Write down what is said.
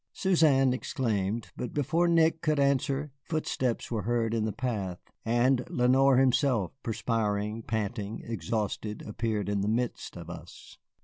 Suzanne exclaimed, but before Nick could answer footsteps were heard in the path and Lenoir himself, perspiring, panting, exhausted, appeared in the midst of us.